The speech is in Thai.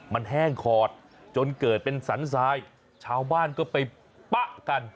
มันแห้งขอดจนเกิดเป็นสันทรายชาวบ้านก็ไปปะกัน